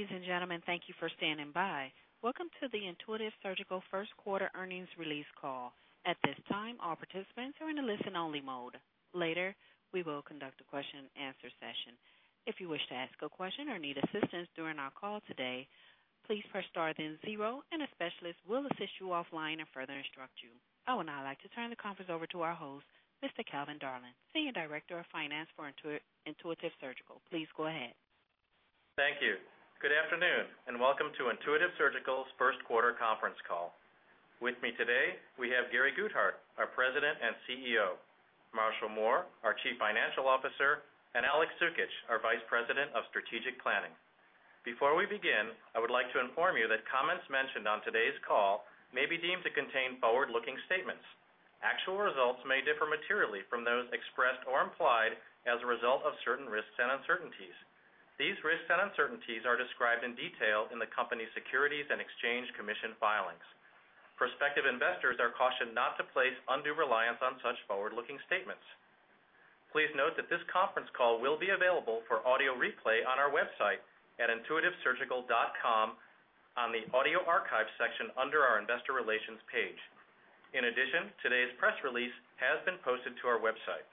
Ladies and gentlemen, thank you for standing by. Welcome to the Intuitive Surgical First Quarter Earnings Release Call. At this time, all participants are in a listen-only mode. Later, we will conduct a question-and-answer session. If you wish to ask a question or need assistance during our call today, please press star then zero, and a specialist will assist you offline and further instruct you. I would now like to turn the conference over to our host, Mr. Calvin Darling, Senior Director of Finance for Intuitive Surgical. Please go ahead. Thank you. Good afternoon, and welcome to Intuitive Surgical's first quarter conference call. With me today, we have Gary Guthart, our President and CEO, Marshall Mohr, our Chief Financial Officer, and Aleks Cukic, our Vice President of Strategic Planning. Before we begin, I would like to inform you that comments mentioned on today's call may be deemed to contain forward-looking statements. Actual results may differ materially from those expressed or implied as a result of certain risks and uncertainties. These risks and uncertainties are described in detail in the company's Securities and Exchange Commission filings. Prospective investors are cautioned not to place undue reliance on such forward-looking statements. Please note that this conference call will be available for audio replay on our website at intuitivesurgical.com on the audio archives section under our Investor Relations page. In addition, today's press release has been posted to our website.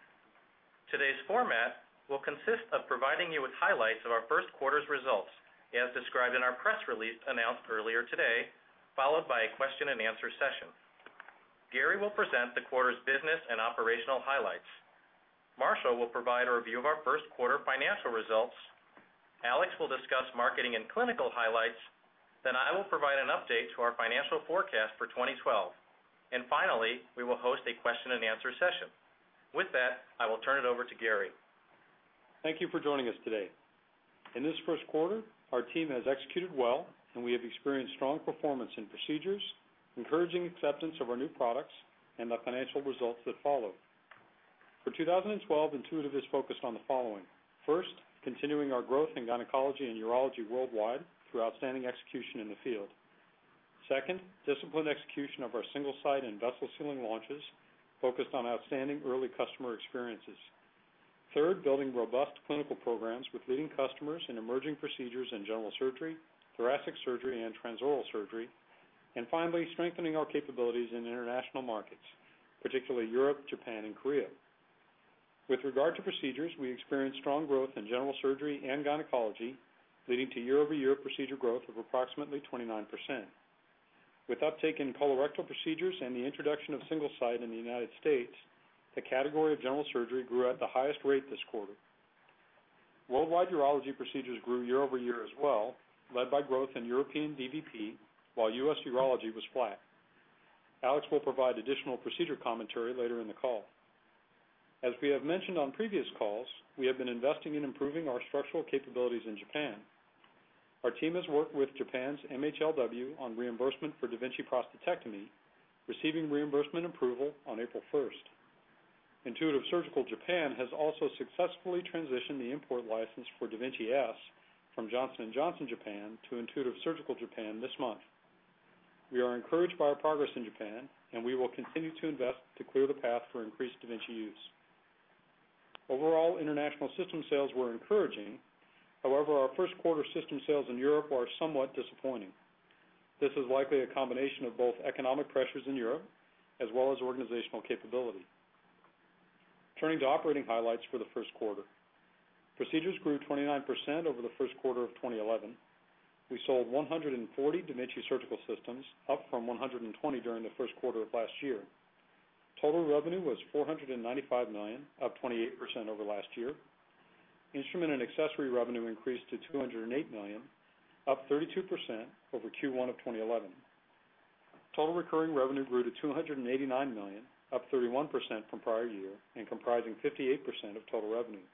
Today's format will consist of providing you with highlights of our first quarter's results, as described in our press release announced earlier today, followed by a question-and-answer session. Gary will present the quarter's business and operational highlights. Marshall will provide a review of our first quarter financial results. Aleks will discuss marketing and clinical highlights. I will provide an update to our financial forecast for 2012. Finally, we will host a question-and-answer session. With that, I will turn it over to Gary. Thank you for joining us today. In this first quarter, our team has executed well, and we have experienced strong performance in procedures, encouraging acceptance of our new products, and the financial results that followed. For 2012, Intuitive is focused on the following: first, continuing our growth in gynecology and urology worldwide through outstanding execution in the field. Second, disciplined execution of our single-site and vessel sealing launches focused on outstanding early customer experiences. Third, building robust clinical programs with leading customers in emerging procedures in general surgery, thoracic surgery, and transoral surgery. Finally, strengthening our capabilities in international markets, particularly Europe, Japan, and Korea. With regard to procedures, we experienced strong growth in general surgery and gynecology, leading to year-over-year procedure growth of approximately 29%. With uptake in colorectal procedures and the introduction of single-site in the U.S., the category of general surgery grew at the highest rate this quarter. Worldwide urology procedures grew year-over-year as well, led by growth in European DVP, while U.S. urology was flat. Aleks Cukic will provide additional procedure commentary later in the call. As we have mentioned on previous calls, we have been investing in improving our structural capabilities in Japan. Our team has worked with Japan's MHLW on reimbursement for da Vinci Prostatectomy, receiving reimbursement approval on April 1. Intuitive Surgical Japan has also successfully transitioned the import license for da Vinci-S from Johnson & Johnson Japan to Intuitive Surgical Japan this month. We are encouraged by our progress in Japan, and we will continue to invest to clear the path for increased da Vinci use. Overall, international system sales were encouraging. However, our first quarter system sales in Europe were somewhat disappointing. This is likely a combination of both economic pressures in Europe as well as organizational capability. Turning to operating highlights for the first quarter, procedures grew 29% over the first quarter of 2011. We sold 140 da Vinci Surgical Systems, up from 120 during the first quarter of last year. Total revenue was $495 million, up 28% over last year. Instrument and accessory revenue increased to $208 million, up 32% over Q1 of 2011. Total recurring revenue grew to $289 million, up 31% from prior year, and comprising 58% of total revenue.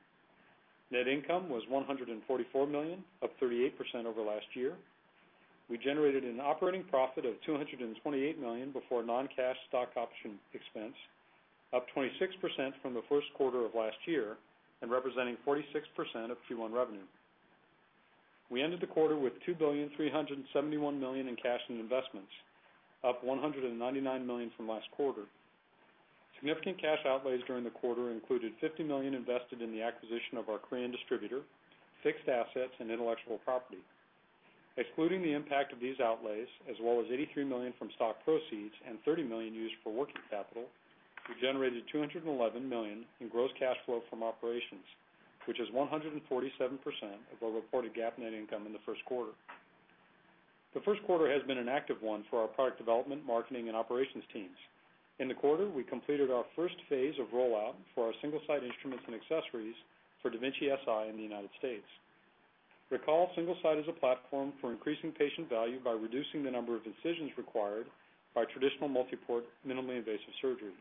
Net income was $144 million, up 38% over last year. We generated an operating profit of $228 million before non-cash stock option expense, up 26% from the first quarter of last year and representing 46% of Q1 revenue. We ended the quarter with $2,371 million in cash and investments, up $199 million from last quarter. Significant cash outlays during the quarter included $50 million invested in the acquisition of our crane distributor, fixed assets, and intellectual property. Excluding the impact of these outlays, as well as $83 million from stock proceeds and $30 million used for working capital, we generated $211 million in gross cash flow from operations, which is 147% of the reported GAAP net income in the first quarter. The first quarter has been an active one for our product development, marketing, and operations teams. In the quarter, we completed our first phase of rollout for our single-site instruments and accessories for da Vinci Si in the United States. Recall, single-site is a platform for increasing patient value by reducing the number of incisions required by traditional multi-port minimally invasive surgery.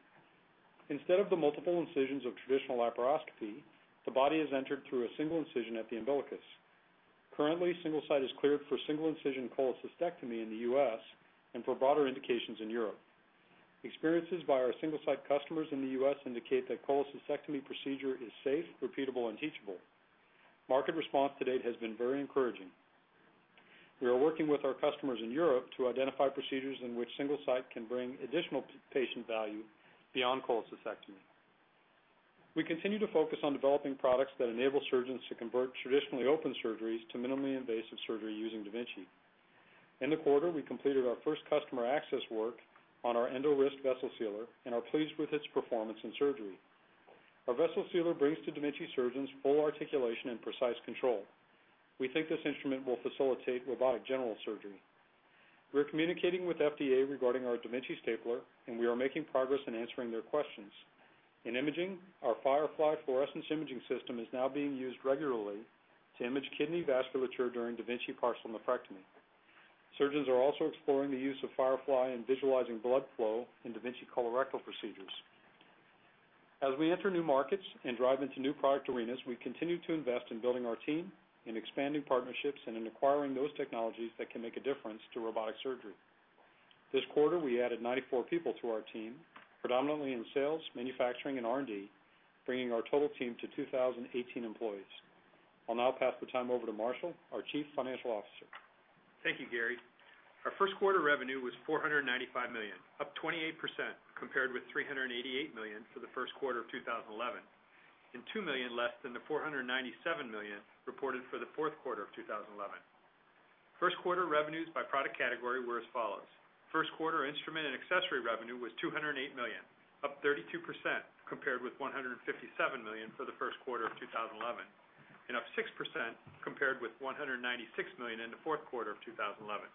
Instead of the multiple incisions of traditional laparoscopy, the body is entered through a single incision at the umbilicus. Currently, single-site is cleared for single-incision cholecystectomy in the U.S. and for broader indications in Europe. Experiences by our single-site customers in the U.S. indicate that cholecystectomy procedure is safe, repeatable, and teachable. Market response to date has been very encouraging. We are working with our customers in Europe to identify procedures in which single-site can bring additional patient value beyond cholecystectomy. We continue to focus on developing products that enable surgeons to convert traditionally open surgeries to minimally invasive surgery using da Vinci. In the quarter, we completed our first customer access work on our endo-risk vessel sealer and are pleased with its performance in surgery. Our vessel sealer brings to da Vinci surgeons full articulation and precise control. We think this instrument will facilitate robotic general surgery. We're communicating with FDA regarding our da Vinci stapler, and we are making progress in answering their questions. In imaging, our Firefly fluorescence imaging system is now being used regularly to image kidney vasculature during da Vinci partial nephrectomy. Surgeons are also exploring the use of Firefly and visualizing blood flow in da Vinci colorectal procedures. As we enter new markets and drive into new product arenas, we continue to invest in building our team, in expanding partnerships, and in acquiring those technologies that can make a difference to robotic surgery. This quarter, we added 94 people to our team, predominantly in sales, manufacturing, and R&D, bringing our total team to 2,018 employees. I'll now pass the time over to Marshall, our Chief Financial Officer. Thank you, Gary. Our first quarter revenue was $495 million, up 28% compared with $388 million for the first quarter of 2011, and $2 million less than the $497 million reported for the fourth quarter of 2011. First quarter revenues by product category were as follows: first quarter instrument and accessory revenue was $208 million, up 32% compared with $157 million for the first quarter of 2011, and up 6% compared with $196 million in the fourth quarter of 2011.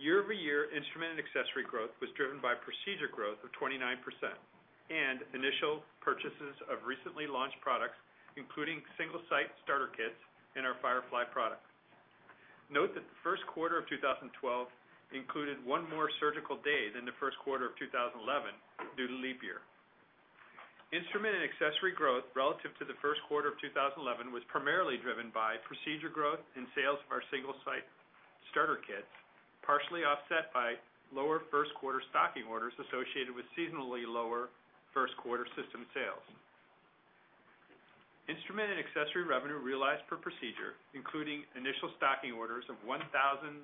Year-over-year instrument and accessory growth was driven by procedure growth of 29% and initial purchases of recently launched products, including single-site starter kits and our Firefly product. Note that the first quarter of 2012 included one more surgical day than the first quarter of 2011 due to leap year. Instrument and accessory growth relative to the first quarter of 2011 was primarily driven by procedure growth and sales of our single-site starter kits, partially offset by lower first quarter stocking orders associated with seasonally lower first quarter system sales. Instrument and accessory revenue realized per procedure, including initial stocking orders of $1,985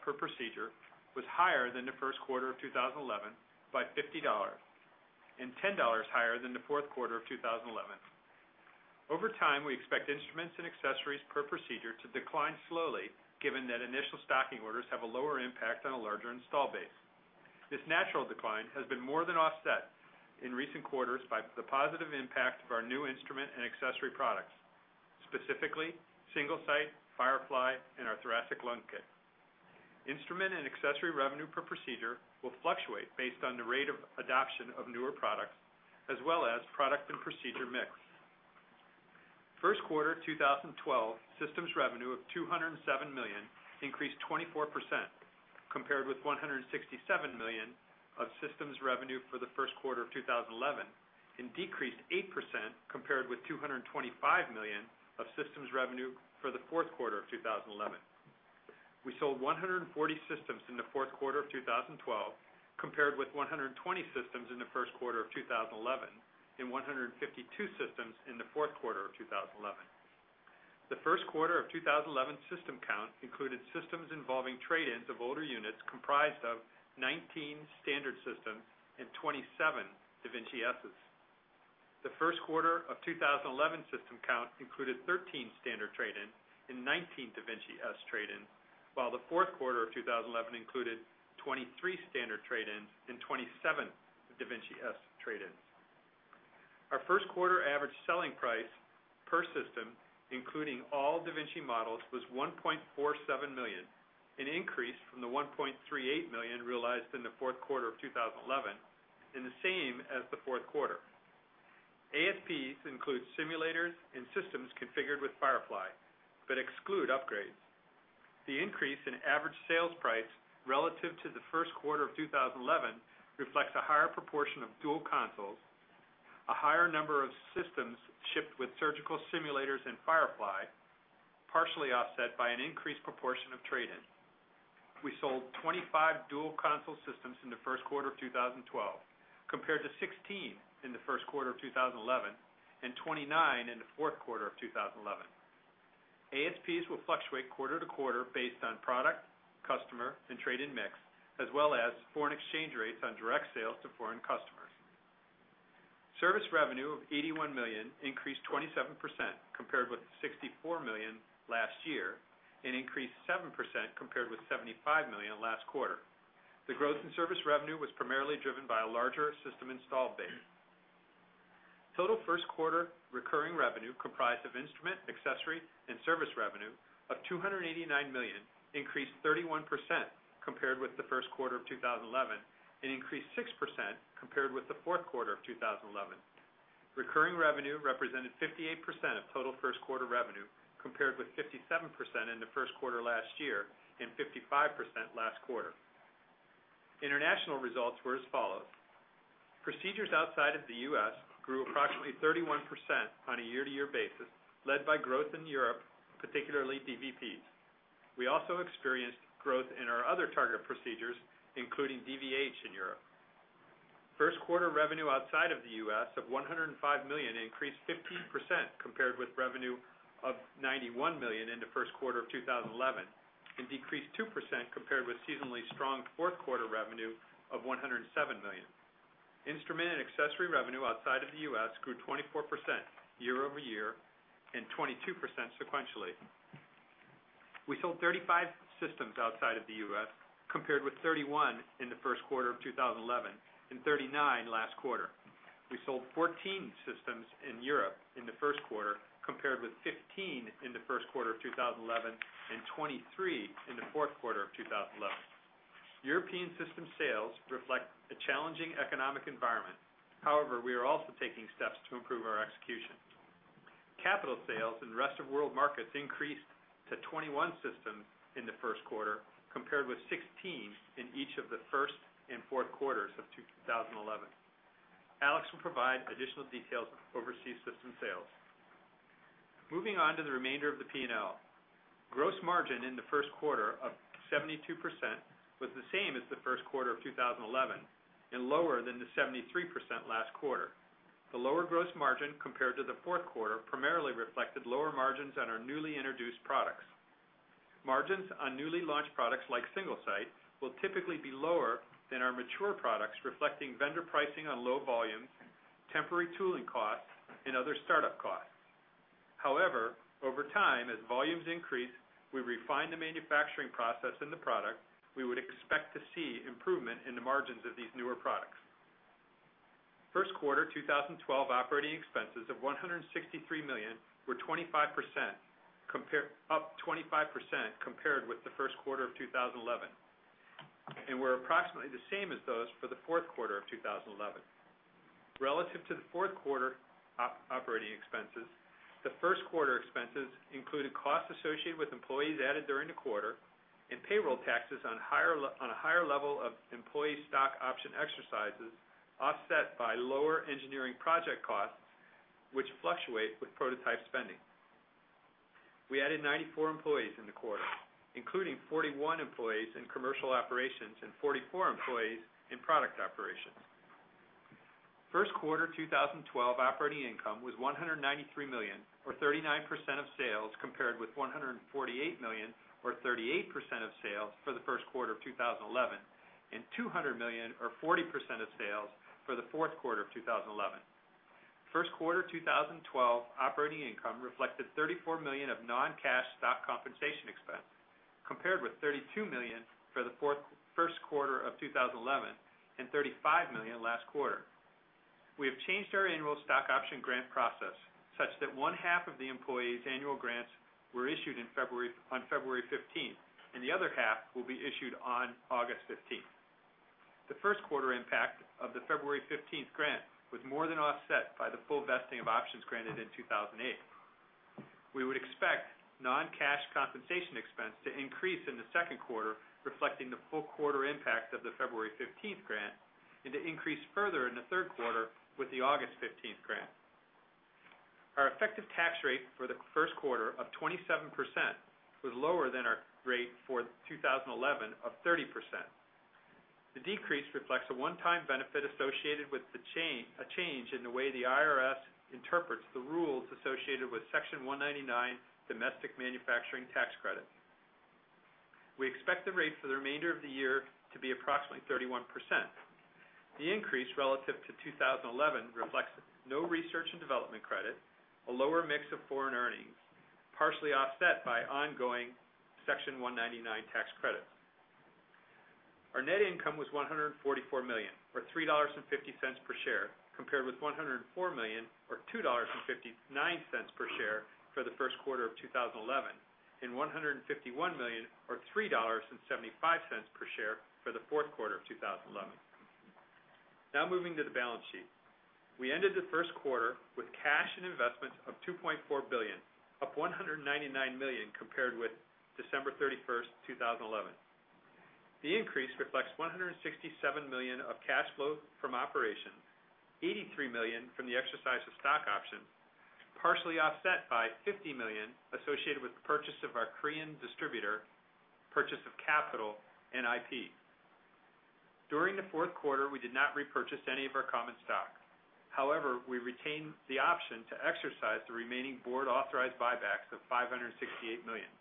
per procedure, was higher than the first quarter of 2011 by $50 and $10 higher than the fourth quarter of 2011. Over time, we expect instruments and accessories per procedure to decline slowly, given that initial stocking orders have a lower impact on a larger install base. This natural decline has been more than offset in recent quarters by the positive impact of our new instrument and accessory products, specifically single-site, Firefly, and our thoracic lung kit. Instrument and accessory revenue per procedure will fluctuate based on the rate of adoption of newer products, as well as product and procedure mix. First quarter of 2012, systems revenue of $207 million increased 24% compared with $167 million of systems revenue for the first quarter of 2011 and decreased 8% compared with $225 million of systems revenue for the fourth quarter of 2011. We sold 140 systems in the fourth quarter of 2012, compared with 120 systems in the first quarter of 2011 and 152 systems in the fourth quarter of 2011. The first quarter of 2011 system count included systems involving trade-ins of older units comprised of 19 standard systems and 27 da Vinci-Ss. The first quarter of 2011 system count included 13 standard trade-ins and 19 da Vinci-S trade-ins, while the fourth quarter of 2011 included 23 standard trade-ins and 27 da Vinci-S trade-ins. Our first quarter average selling price per system, including all da Vinci models, was $1.47 million, an increase from the $1.38 million realized in the fourth quarter of 2011 and the same as the fourth quarter. ASPs include simulators and systems configured with Firefly, but exclude upgrades. The increase in average sales price relative to the first quarter of 2011 reflects a higher proportion of dual consoles, a higher number of systems shipped with surgical simulators and Firefly, partially offset by an increased proportion of trade-ins. We sold 25 dual console systems in the first quarter of 2012, compared to 16 in the first quarter of 2011 and 29 in the fourth quarter of 2011. ASPs will fluctuate quarter to quarter based on product, customer, and trade-in mix, as well as foreign exchange rates on direct sales to foreign customers. Service revenue of $81 million increased 27% compared with $64 million last year and increased 7% compared with $75 million last quarter. The growth in service revenue was primarily driven by a larger system install base. Total first quarter recurring revenue, comprised of instrument, accessory, and service revenue, of $289 million increased 31% compared with the first quarter of 2011 and increased 6% compared with the fourth quarter of 2011. Recurring revenue represented 58% of total first quarter revenue, compared with 57% in the first quarter last year and 55% last quarter. International results were as follows: procedures outside of the U.S. grew approximately 31% on a year-to-year basis, led by growth in Europe, particularly DVPs. We also experienced growth in our other target procedures, including DVH in Europe. First quarter revenue outside of the U.S. of $105 million increased 15% compared with revenue of $91 million in the first quarter of 2011 and decreased 2% compared with seasonally strong fourth quarter revenue of $107 million. Instrument and accessory revenue outside of the U.S. grew 24% year-over-year and 22% sequentially. We sold 35 systems outside of the U.S., compared with 31 in the first quarter of 2011 and 39 last quarter. We sold 14 systems in Europe in the first quarter, compared with 15 in the first quarter of 2011 and 23 in the fourth quarter of 2011. European system sales reflect a challenging economic environment. However, we are also taking steps to improve our execution. Capital sales in the rest of the world markets increased to 21 systems in the first quarter, compared with 16 in each of the first and fourth quarters of 2011. Aleks will provide additional details of overseas system sales. Moving on to the remainder of the P&L, gross margin in the first quarter of 72% was the same as the first quarter of 2011 and lower than the 73% last quarter. The lower gross margin compared to the fourth quarter primarily reflected lower margins on our newly introduced products. Margins on newly launched products like single-site will typically be lower than our mature products, reflecting vendor pricing on low volumes, temporary tooling costs, and other startup costs. However, over time, as volumes increase, we refine the manufacturing process in the product. We would expect to see improvement in the margins of these newer products. First quarter 2012 operating expenses of $163 million were up 25% compared with the first quarter of 2011 and were approximately the same as those for the fourth quarter of 2011. Relative to the fourth quarter operating expenses, the first quarter expenses included costs associated with employees added during the quarter and payroll taxes on a higher level of employee stock option exercises, offset by lower engineering project costs, which fluctuate with prototype spending. We added 94 employees in the quarter, including 41 employees in commercial operations and 44 employees in product operations. First quarter 2012 operating income was $193 million, or 39% of sales, compared with $148 million, or 38% of sales for the first quarter of 2011, and $200 million, or 40% of sales, for the fourth quarter of 2011. First quarter 2012 operating income reflected $34 million of non-cash stock compensation expense, compared with $32 million for the first quarter of 2011 and $35 million last quarter. We have changed our annual stock option grant process such that one half of the employees' annual grants were issued on February 15th, and the other half will be issued on August 15th. The first quarter impact of the February 15th grant was more than offset by the full vesting of options granted in 2008. We would expect non-cash compensation expense to increase in the second quarter, reflecting the full quarter impact of the February 15th grant, and to increase further in the third quarter with the August 15th grant. Our effective tax rate for the first quarter of 27% was lower than our rate for 2011 of 30%. The decrease reflects a one-time benefit associated with a change in the way the IRS interprets the rules associated with Section 199 Domestic Manufacturing Tax Credit. We expect the rate for the remainder of the year to be approximately 31%. The increase relative to 2011 reflects no research and development credit, a lower mix of foreign earnings, partially offset by ongoing Section 199 tax credits. Our net income was $144 million, or $3.50 per share, compared with $104 million, or $2.59 per share for the first quarter of 2011, and $151 million, or $3.75 per share for the fourth quarter of 2011. Now moving to the balance sheet, we ended the first quarter with cash and investments of $2.4 billion, up $199 million compared with December 31, 2011. The increase reflects $167 million of cash flow from operations, $83 million from the exercise of stock options, partially offset by $50 million associated with the purchase of our crane distributor, purchase of capital, and IP. During the fourth quarter, we did not repurchase any of our common stock. However, we retained the option to exercise the remaining board-authorized buybacks of $568 million.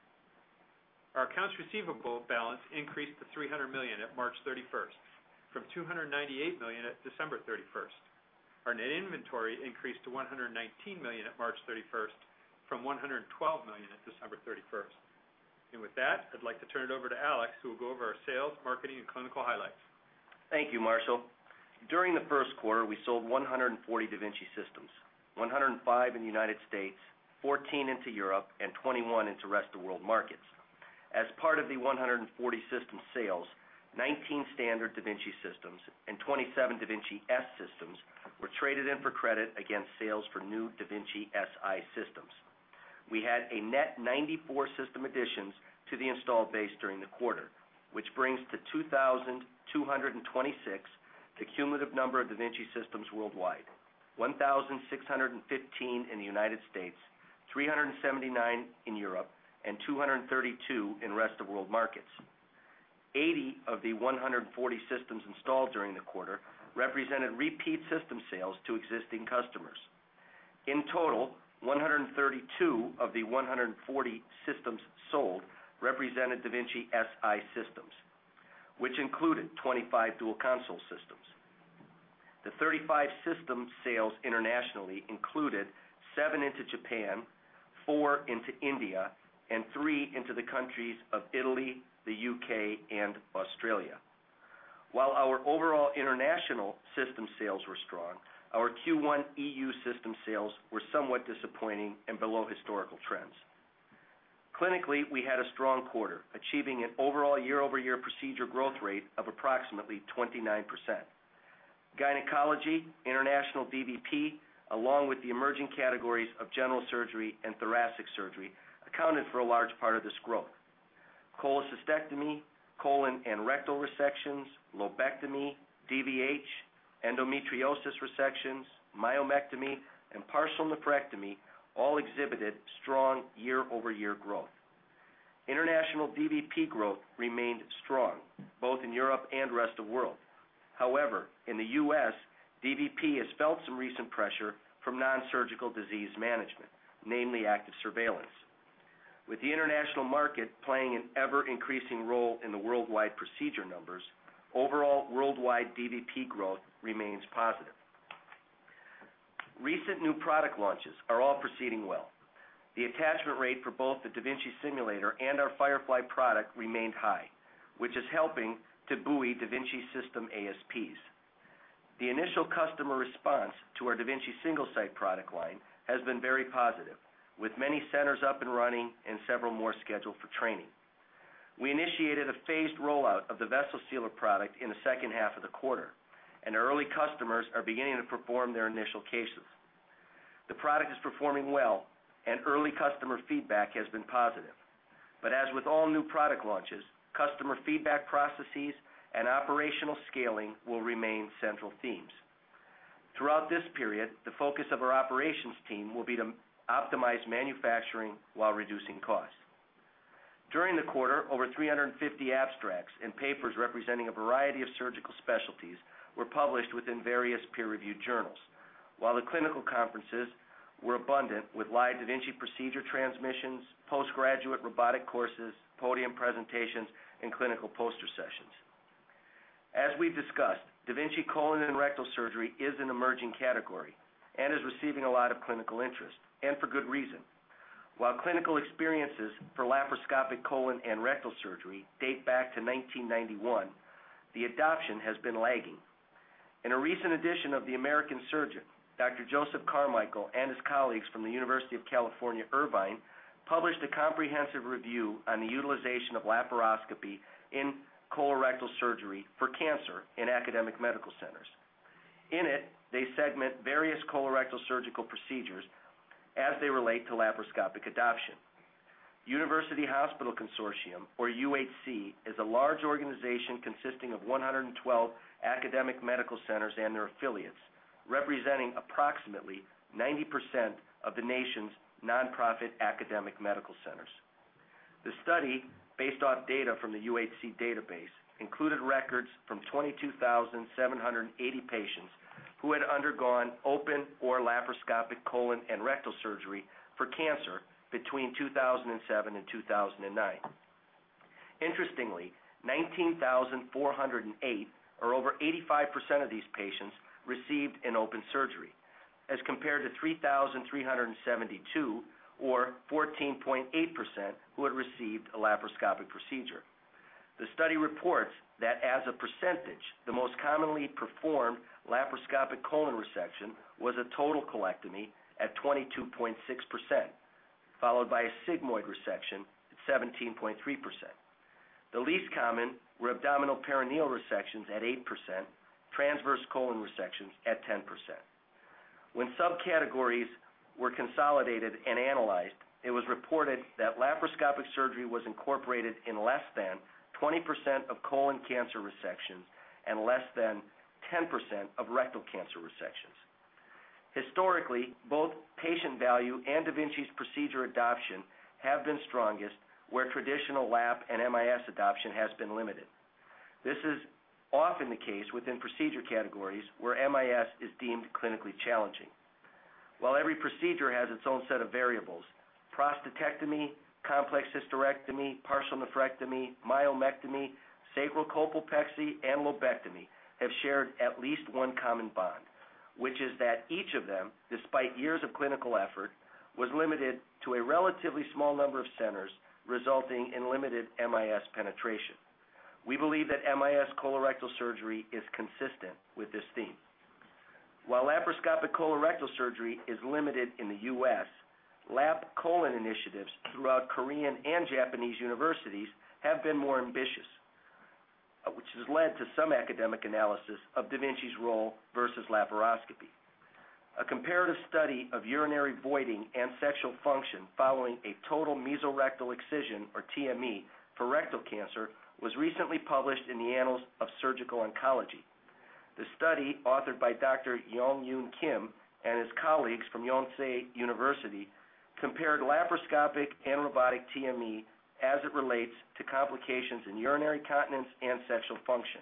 Our accounts receivable balance increased to $300 million at March 31, from $298 million at December 31. Our net inventory increased to $119 million at March 31, from $112 million at December 31. With that, I'd like to turn it over to Aleks, who will go over our sales, marketing, and clinical highlights. Thank you, Marshall. During the first quarter, we sold 140 da Vinci systems, 105 in the U.S., 14 into Europe, and 21 into the rest of the world markets. As part of the 140 system sales, 19 standard da Vinci systems and 27 da Vinci-S systems were traded in for credit against sales for new da Vinci Si systems. We had a net 94 system additions to the install base during the quarter, which brings to 2,226 the cumulative number of da Vinci systems worldwide, 1,615 in the U.S., 379 in Europe, and 232 in the rest of the world markets. 80 of the 140 systems installed during the quarter represented repeat system sales to existing customers. In total, 132 of the 140 systems sold represented da Vinci Si systems, which included 25 dual console systems. The 35 system sales internationally included seven into Japan, four into India, and three into the countries of Italy, the UK, and Australia. While our overall international system sales were strong, our Q1 EU system sales were somewhat disappointing and below historical trends. Clinically, we had a strong quarter, achieving an overall year-over-year procedure growth rate of approximately 29%. Gynecology, international DVP, along with the emerging categories of general surgery and thoracic surgery, accounted for a large part of this growth. Cholecystectomy, colon and rectal resections, lobectomy, DVH, endometriosis resections, myomectomy, and partial nephrectomy all exhibited strong year-over-year growth. International DVP growth remained strong, both in Europe and the rest of the world. However, in the U.S., DVP has felt some recent pressure from non-surgical disease management, namely active surveillance. With the international market playing an ever-increasing role in the worldwide procedure numbers, overall worldwide DVP growth remains positive. Recent new product launches are all proceeding well. The attachment rate for both the da Vinci simulator and our Firefly product remained high, which is helping to buoy da Vinci system ASPs. The initial customer response to our da Vinci single-site product line has been very positive, with many centers up and running and several more scheduled for training. We initiated a phased rollout of the vessel sealer product in the second half of the quarter, and early customers are beginning to perform their initial cases. The product is performing well, and early customer feedback has been positive. As with all new product launches, customer feedback processes and operational scaling will remain central themes. Throughout this period, the focus of our operations team will be to optimize manufacturing while reducing costs. During the quarter, over 350 abstracts and papers representing a variety of surgical specialties were published within various peer-reviewed journals, while the clinical conferences were abundant with live da Vinci procedure transmissions, postgraduate robotic courses, podium presentations, and clinical poster sessions. As we discussed, da Vinci colon and rectal surgery is an emerging category and is receiving a lot of clinical interest, and for good reason. While clinical experiences for laparoscopic colon and rectal surgery date back to 1991, the adoption has been lagging. In a recent edition of The American Surgeon, Dr. Joseph Carmichael and his colleagues from the University of California, Irvine, published a comprehensive review on the utilization of laparoscopy in colorectal surgery for cancer in academic medical centers. In it, they segment various colorectal surgical procedures as they relate to laparoscopic adoption. The University Hospital Consortium, or UHC, is a large organization consisting of 112 academic medical centers and their affiliates, representing approximately 90% of the nation's nonprofit academic medical centers. The study, based off data from the UHC database, included records from 22,780 patients who had undergone open or laparoscopic colon and rectal surgery for cancer between 2007 and 2009. Interestingly, 19,408, or over 85% of these patients, received an open surgery, as compared to 3,372, or 14.8% who had received a laparoscopic procedure. The study reports that as a percentage, the most commonly performed laparoscopic colon resection was a total colectomy at 22.6%, followed by a sigmoid resection at 17.3%. The least common were abdominal perineal resections at 8%, transverse colon resections at 10%. When subcategories were consolidated and analyzed, it was reported that laparoscopic surgery was incorporated in less than 20% of colon cancer resections and less than 10% of rectal cancer resections. Historically, both patient value and da Vinci's procedure adoption have been strongest, where traditional LAP and MIS adoption has been limited. This is often the case within procedure categories where MIS is deemed clinically challenging. While every procedure has its own set of variables, prostatectomy, complex hysterectomy, partial nephrectomy, myomectomy, sacral colpopexy, and lobectomy have shared at least one common bond, which is that each of them, despite years of clinical effort, was limited to a relatively small number of centers, resulting in limited MIS penetration. We believe that MIS colorectal surgery is consistent with this theme. While laparoscopic colorectal surgery is limited in the U.S., LAP colon initiatives throughout Korean and Japanese universities have been more ambitious, which has led to some academic analysis of da Vinci's role versus laparoscopy. A comparative study of urinary voiding and sexual function following a total mesorectal excision, or TME, for rectal cancer was recently published in the Annals of Surgical Oncology. The study, authored by Dr. Yong Yoon Kim and his colleagues from Yonsei University, compared laparoscopic and robotic TME as it relates to complications in urinary continence and sexual function,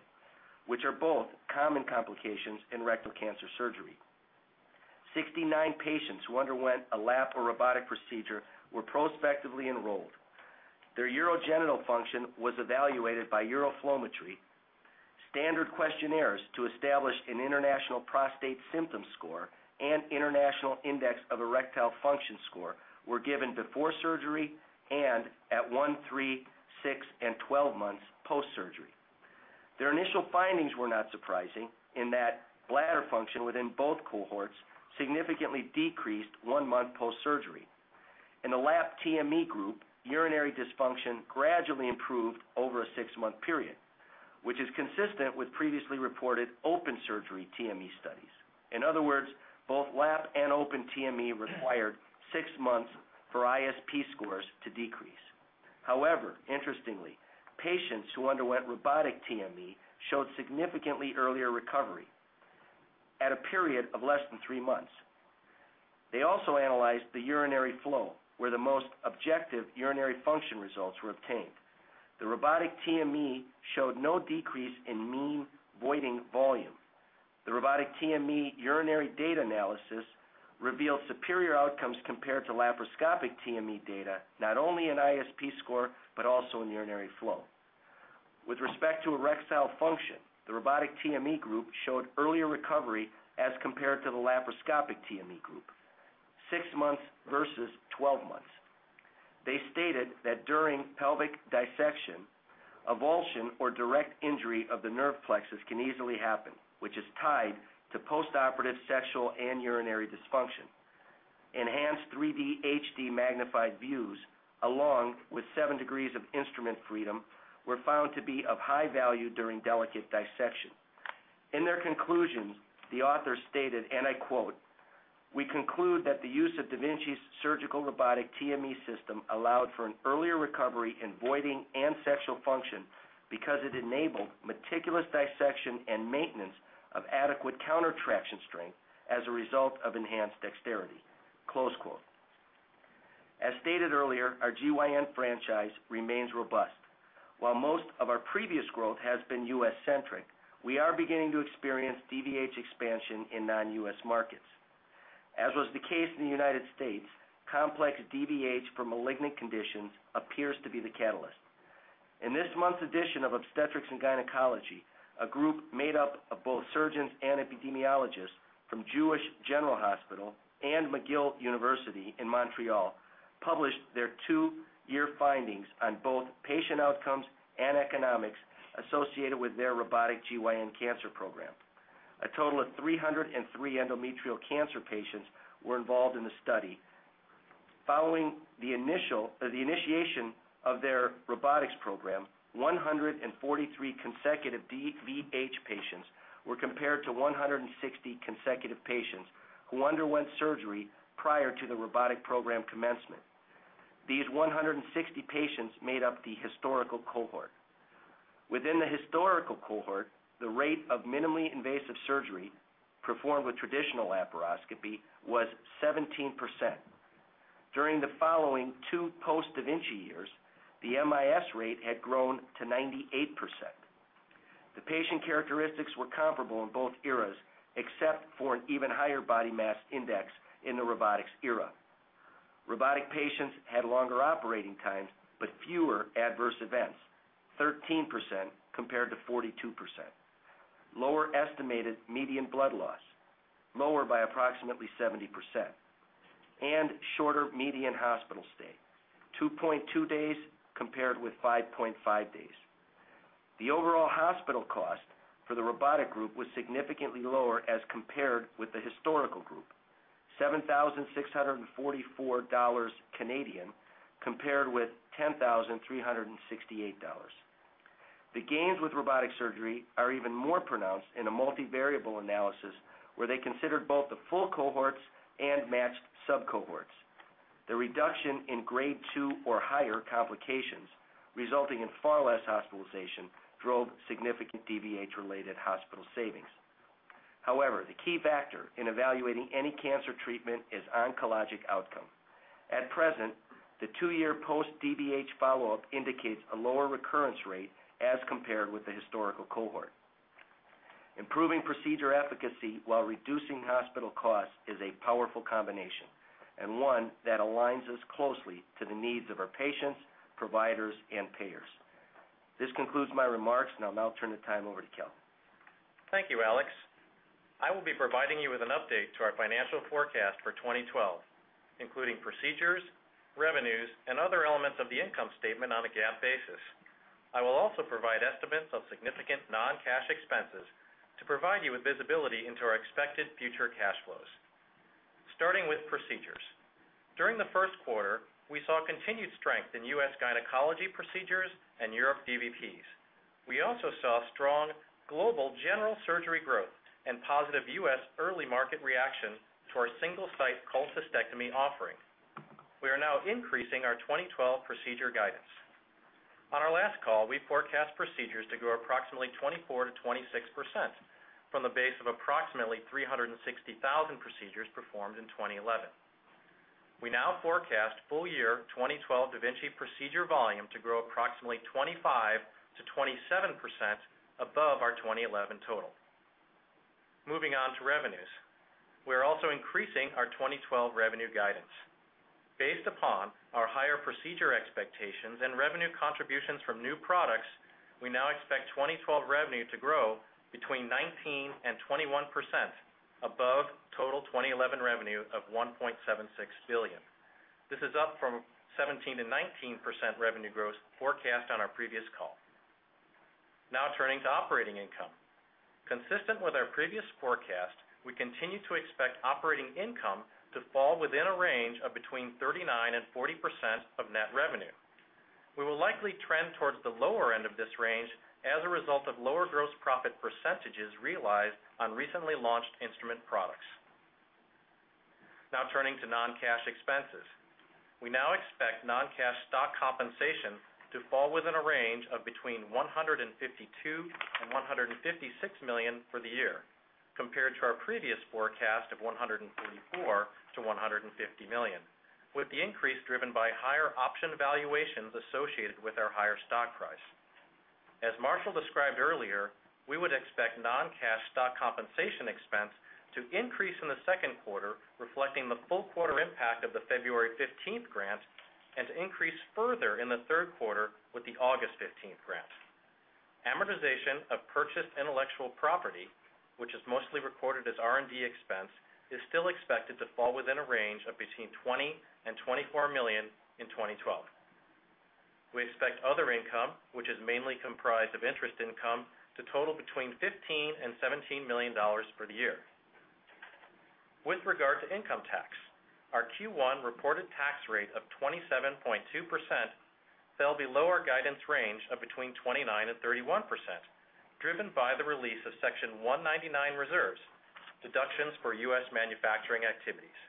which are both common complications in rectal cancer surgery. 69 patients who underwent a LAP or robotic procedure were prospectively enrolled. Their urogenital function was evaluated by uroflowmetry. Standard questionnaires to establish an international prostate symptom score and international index of erectile function score were given before surgery and at 1, 3, 6, and 12 months post-surgery. Their initial findings were not surprising in that bladder function within both cohorts significantly decreased one month post-surgery. In the LAP TME group, urinary dysfunction gradually improved over a six-month period, which is consistent with previously reported open surgery TME studies. In other words, both LAP and open TME required six months for ISP scores to decrease. However, interestingly, patients who underwent robotic TME showed significantly earlier recovery at a period of less than three months. They also analyzed the urinary flow, where the most objective urinary function results were obtained. The robotic TME showed no decrease in mean voiding volume. The robotic TME urinary data analysis revealed superior outcomes compared to laparoscopic TME data, not only in ISP score but also in urinary flow. With respect to erectile function, the robotic TME group showed earlier recovery as compared to the laparoscopic TME group, six months versus 12 months. They stated that during pelvic dissection, avulsion or direct injury of the nerve plexus can easily happen, which is tied to postoperative sexual and urinary dysfunction. Enhanced 3D HD magnified views, along with seven degrees of instrument freedom, were found to be of high value during delicate dissection. In their conclusions, the authors stated, and I quote, "We conclude that the use of da Vinci Surgical robotic TME system allowed for an earlier recovery in voiding and sexual function because it enabled meticulous dissection and maintenance of adequate countertraction strength as a result of enhanced dexterity." As stated earlier, our GYN franchise remains robust. While most of our previous growth has been U.S.-centric, we are beginning to experience DVH expansion in non-U.S. markets. As was the case in the United States, complex DVH for malignant conditions appears to be the catalyst. In this month's edition of Obstetrics and Gynecology, a group made up of both surgeons and epidemiologists from Jewish General Hospital and McGill University in Montreal published their two-year findings on both patient outcomes and economics associated with their robotic GYN cancer program. A total of 303 endometrial cancer patients were involved in the study. Following the initiation of their robotics program, 143 consecutive DVH patients were compared to 160 consecutive patients who underwent surgery prior to the robotic program commencement. These 160 patients made up the historical cohort. Within the historical cohort, the rate of minimally invasive surgery performed with traditional laparoscopy was 17%. During the following two post-da Vinci years, the MIS rate had grown to 98%. The patient characteristics were comparable in both eras, except for an even higher body mass index in the robotics era. Robotic patients had longer operating times but fewer adverse events, 13% compared to 42%. Lower estimated median blood loss, lower by approximately 70%, and shorter median hospital stay, 2.2 days compared with 5.5 days. The overall hospital cost for the robotic group was significantly lower as compared with the historical group, CA$7,644 compared with CA$10,368. The gains with robotic surgery are even more pronounced in a multivariable analysis, where they considered both the full cohorts and matched sub-cohorts. The reduction in grade 2 or higher complications, resulting in far less hospitalization, drove significant DVH-related hospital savings. However, the key factor in evaluating any cancer treatment is oncologic outcome. At present, the two-year post-DVH follow-up indicates a lower recurrence rate as compared with the historical cohort. Improving procedure efficacy while reducing hospital costs is a powerful combination and one that aligns us closely to the needs of our patients, providers, and payers. This concludes my remarks. Now I'll turn the time over to Calvin. Thank you, Aleks. I will be providing you with an update to our financial forecast for 2012, including procedures, revenues, and other elements of the income statement on a GAAP basis. I will also provide estimates of significant non-cash expenses to provide you with visibility into our expected future cash flows. Starting with procedures, during the first quarter, we saw continued strength in U.S. gynecology procedures and Europe DVPs. We also saw strong global general surgery growth and positive U.S. early market reaction to our single-site cholecystectomy offering. We are now increasing our 2012 procedure guidance. On our last call, we forecast procedures to grow approximately 24%-26% from the base of approximately 360,000 procedures performed in 2011. We now forecast full-year 2012 Da Vinci procedure volume to grow approximately 25%-27% above our 2011 total. Moving on to revenues, we are also increasing our 2012 revenue guidance. Based upon our higher procedure expectations and revenue contributions from new products, we now expect 2012 revenue to grow between 19% and 21% above total 2011 revenue of $1.76 billion. This is up from 17%-19% revenue growth forecast on our previous call. Now turning to operating income, consistent with our previous forecast, we continue to expect operating income to fall within a range of between 39% and 40% of net revenue. We will likely trend towards the lower end of this range as a result of lower gross profit percentages realized on recently launched instrument products. Now turning to non-cash expenses, we now expect non-cash stock compensation to fall within a range of between $152 million and $156 million for the year, compared to our previous forecast of $144 million-$150 million, with the increase driven by higher option valuations associated with our higher stock price. As Marshall described earlier, we would expect non-cash stock compensation expense to increase in the second quarter, reflecting the full quarter impact of the February 15th grant, and to increase further in the third quarter with the August 15th grant. Amortization of purchased intellectual property, which is mostly recorded as R&D expense, is still expected to fall within a range of between $20 million and $24 million in 2012. We expect other income, which is mainly comprised of interest income, to total between $15 million and $17 million for the year. With regard to income tax, our Q1 reported tax rate of 27.2% fell below our guidance range of between 29% and 31%, driven by the release of Section 199 reserves, deductions for U.S. manufacturing activities.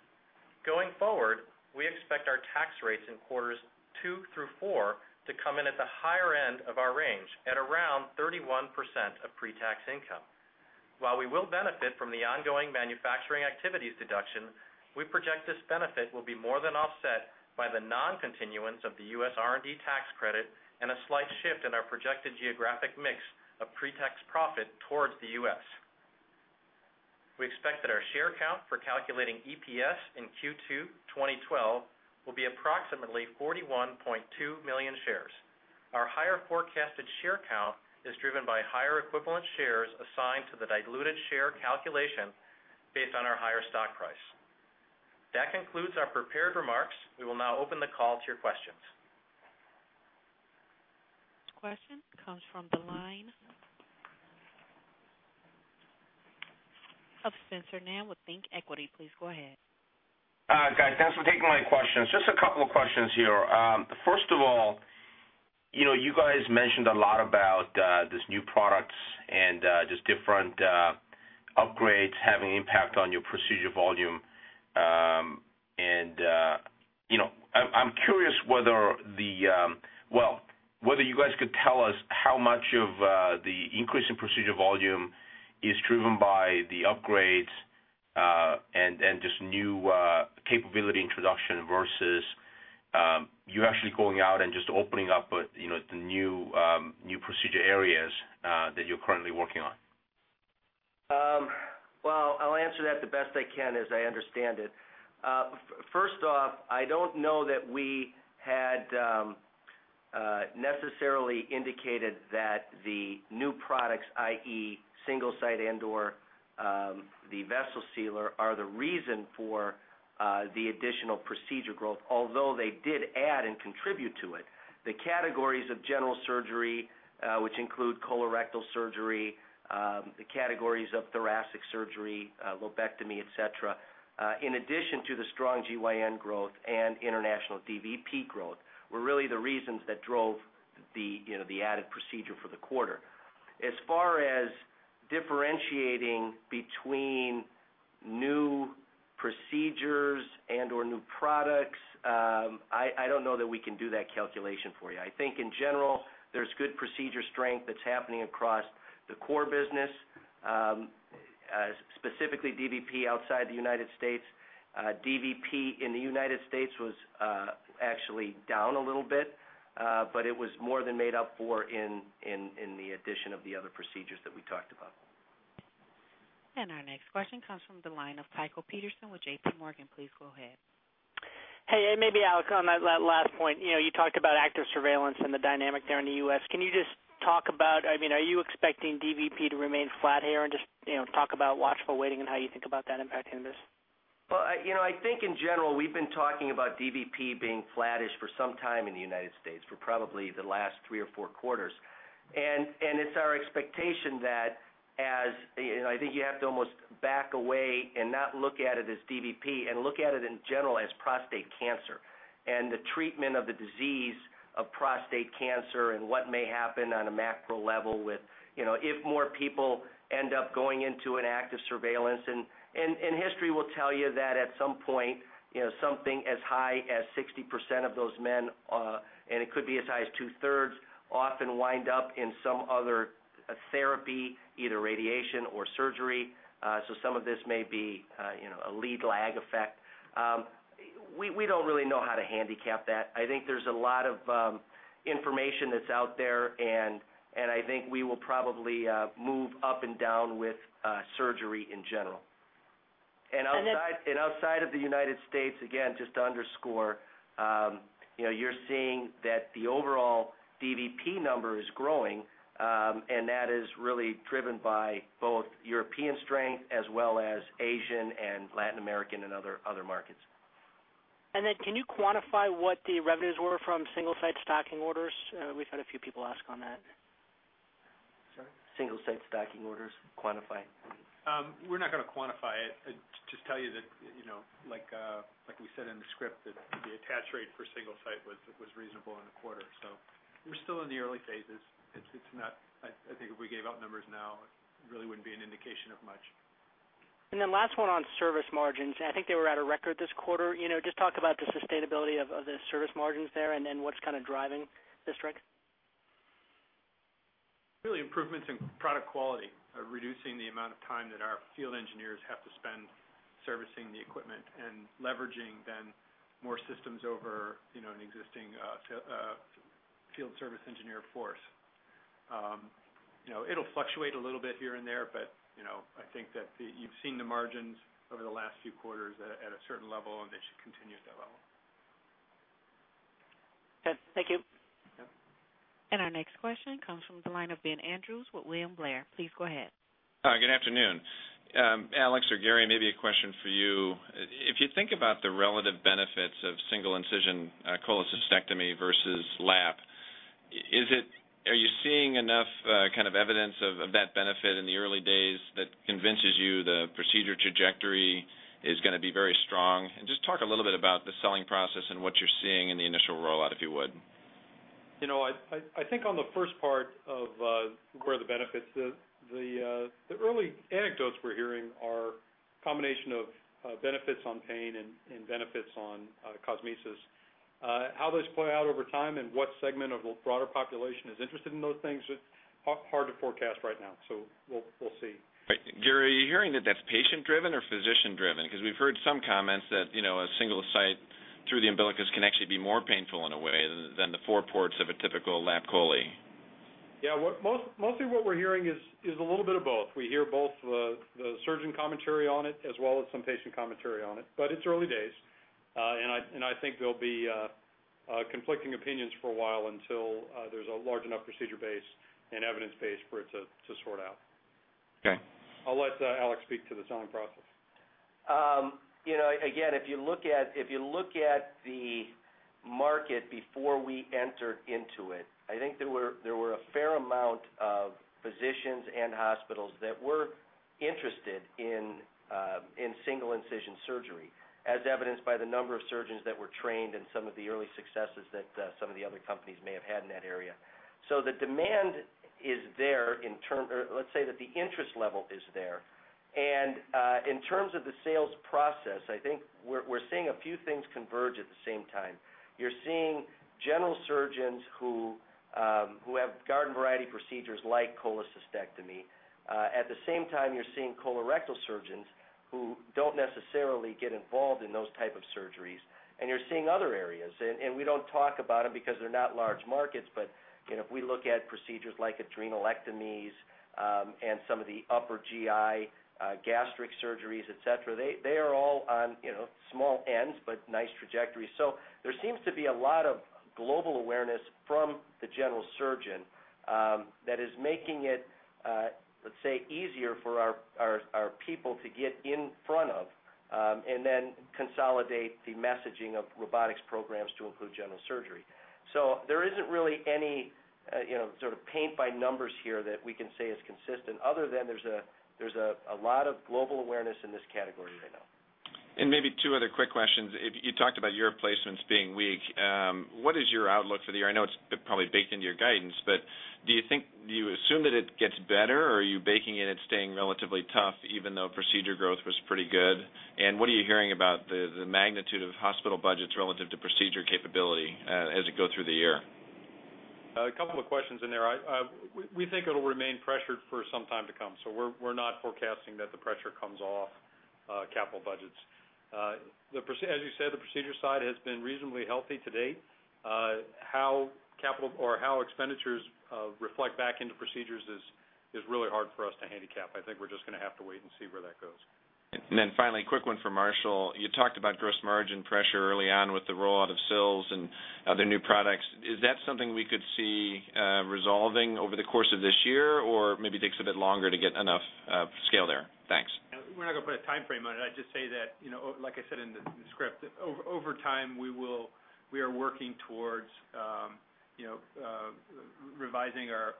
Going forward, we expect our tax rates in quarters two through four to come in at the higher end of our range, at around 31% of pre-tax income. While we will benefit from the ongoing manufacturing activities deduction, we project this benefit will be more than offset by the non-continuance of the U.S. R&D tax credit and a slight shift in our projected geographic mix of pre-tax profit towards the U.S. We expect that our share count for calculating EPS in Q2 2012 will be approximately 41.2 million shares. Our higher forecasted share count is driven by higher equivalent shares assigned to the diluted share calculation based on our higher stock price. That concludes our prepared remarks. We will now open the call to your questions. Question comes from the line of Spencer Nam with ThinkEquity. Please go ahead. Thanks for taking my questions. Just a couple of questions here. First of all, you guys mentioned a lot about these new products and just different upgrades having an impact on your procedure volume. I'm curious whether you guys could tell us how much of the increase in procedure volume is driven by the upgrades and just new capability introduction versus you actually going out and just opening up the new procedure areas that you're currently working on. I'll answer that the best I can, as I understand it. First off, I don't know that we had necessarily indicated that the new products, i.e., single-site and/or the vessel sealer, are the reason for the additional procedure growth, although they did add and contribute to it. The categories of general surgery, which include colorectal surgery, the categories of thoracic surgery, lobectomy, etc., in addition to the strong gynecology growth and international DVP growth, were really the reasons that drove the added procedure for the quarter. As far as differentiating between new procedures and/or new products, I don't know that we can do that calculation for you. I think, in general, there's good procedure strength that's happening across the core business, specifically DVP outside the U.S. DVP in the U.S. was actually down a little bit, but it was more than made up for in the addition of the other procedures that we talked about. Our next question comes from the line of Tycho Peterson with JPMorgan. Please go ahead. Hey, maybe I'll comment on that last point. You talked about active surveillance and the dynamic there in the U.S. Can you just talk about, I mean, are you expecting DVP to remain flat here, and just talk about watchful waiting and how you think about that impacting this? I think, in general, we've been talking about DVP being flattish for some time in the U.S., for probably the last three or four quarters. It's our expectation that, as I think you have to almost back away and not look at it as DVP and look at it in general as prostate cancer and the treatment of the disease of prostate cancer and what may happen on a macro level with, you know, if more people end up going into an active surveillance. History will tell you that, at some point, something as high as 60% of those men, and it could be as high as 2/3, often wind up in some other therapy, either radiation or surgery. Some of this may be a lead lag effect. We don't really know how to handicap that. I think there's a lot of information that's out there, and I think we will probably move up and down with surgery in general. Outside of the U.S., again, just to underscore, you're seeing that the overall DVP number is growing, and that is really driven by both European strength as well as Asian and Latin American and other markets. Can you quantify what the revenues were from single-site stocking orders? We've had a few people ask on that. Sorry? Single-site stocking orders, quantify it. We're not going to quantify it. I just tell you that, you know, like we said in the script, the attach rate for single-site was reasonable in the quarter. We're still in the early phases. I think if we gave out numbers now, it really wouldn't be an indication of much. Last one on service margins. I think they were at a record this quarter. You know, just talk about the sustainability of the service margins there and then what's kind of driving the strength. Really, improvements in product quality, reducing the amount of time that our field engineers have to spend servicing the equipment, and leveraging then more systems over an existing field service engineer force. It'll fluctuate a little bit here and there, but I think that you've seen the margins over the last few quarters at a certain level, and they should continue at that level. Thank you. Our next question comes from the line of Ben Andrews with William Blair. Please go ahead. Good afternoon. Aleks or Gary, maybe a question for you. If you think about the relative benefits of single-incision cholecystectomy versus LAP, are you seeing enough kind of evidence of that benefit in the early days that convinces you the procedure trajectory is going to be very strong? Just talk a little bit about the selling process and what you're seeing in the initial rollout, if you would. I think on the first part of where the benefits, the early anecdotes we're hearing are a combination of benefits on pain and benefits on cosmesis. How those play out over time and what segment of the broader population is interested in those things is hard to forecast right now. We'll see. Gary, are you hearing that that's patient-driven or physician-driven? We've heard some comments that a single site through the umbilicus can actually be more painful in a way than the four ports of a typical laparoscopic cholecystectomy. Yeah, mostly what we're hearing is a little bit of both. We hear both the surgeon commentary on it as well as some patient commentary on it. It's early days, and I think there'll be conflicting opinions for a while until there's a large enough procedure base and evidence base for it to sort out. OK. I'll let Aleks Cukic speak to the selling process. You know. Again, if you look at the market before we entered into it, I think there were a fair amount of physicians and hospitals that were interested in single-incision surgery, as evidenced by the number of surgeons that were trained and some of the early successes that some of the other companies may have had in that area. The demand is there. Let's say that the interest level is there. In terms of the sales process, I think we're seeing a few things converge at the same time. You're seeing general surgeons who have garden-variety procedures like cholecystectomy. At the same time, you're seeing colorectal surgeons who don't necessarily get involved in those types of surgeries. You're seeing other areas. We don't talk about them because they're not large markets. If we look at procedures like adrenalectomies and some of the upper GI gastric surgeries, etc., they are all on small ends but nice trajectories. There seems to be a lot of global awareness from the general surgeon that is making it, let's say, easier for our people to get in front of and then consolidate the messaging of robotics programs to include general surgery. There isn't really any sort of paint by numbers here that we can say is consistent, other than there's a lot of global awareness in this category right now. Maybe two other quick questions. You talked about your placements being weak. What is your outlook for the year? I know it's probably baked into your guidance, but do you assume that it gets better, or are you baking in it staying relatively tough, even though procedure growth was pretty good? What are you hearing about the magnitude of hospital budgets relative to procedure capability as it goes through the year? A couple of questions in there. We think it'll remain pressured for some time to come. We're not forecasting that the pressure comes off capital budgets. As you said, the procedure side has been reasonably healthy to date. How capital or how expenditures reflect back into procedures is really hard for us to handicap. I think we're just going to have to wait and see where that goes. Finally, a quick one for Marshall. You talked about gross margin pressure early on with the rollout of CILs and other new products. Is that something we could see resolving over the course of this year, or maybe it takes a bit longer to get enough scale there? Thanks. We're not going to put a time frame on it. I'd just say that, like I said in the script, over time, we are working towards revising our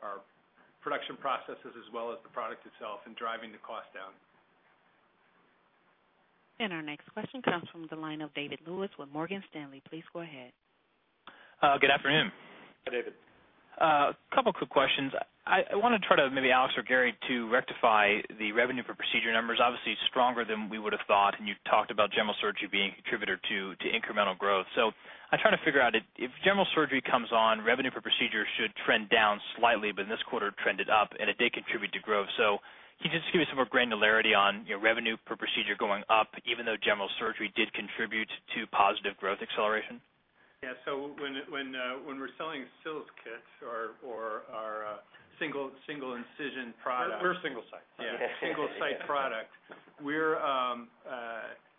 production processes as well as the product itself and driving the cost down. Our next question comes from the line of David Lewis with Morgan Stanley. Please go ahead. Good afternoon. Hi, David. A couple of quick questions. I want to try to maybe ask Aleks or Gary to rectify the revenue for procedure numbers. Obviously, it's stronger than we would have thought. You talked about general surgery being a contributor to incremental growth. I'm trying to figure out, if general surgery comes on, revenue per procedure should trend down slightly, but in this quarter, it trended up, and it did contribute to growth. Can you just give me some more granularity on revenue per procedure going up, even though general surgery did contribute to positive growth acceleration? Yeah, so when we're selling single-site instruments and accessories kits or our single-incision product. single-site instruments and accessories. Single-site product,